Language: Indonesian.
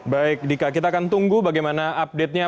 baik dika kita akan tunggu bagaimana update nya